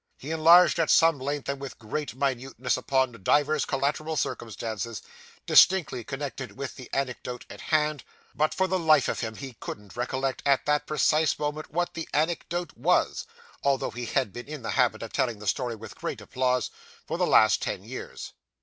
He enlarged at some length and with great minuteness upon divers collateral circumstances, distantly connected with the anecdote in hand, but for the life of him he couldn't recollect at that precise moment what the anecdote was, although he had been in the habit of telling the story with great applause for the last ten years.